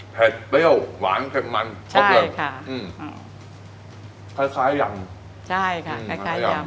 เผ็ดเปรี้ยวหวานเข็ดมันพร้อมเลยอืมคล้ายยำคล้ายยำ